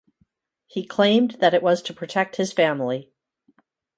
He claimed that it was to protect his family.